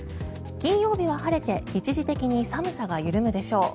金曜日は晴れて一時的に寒さが緩むでしょう。